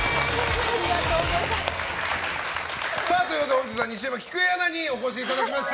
本日は西山喜久恵アナに来ていただきました。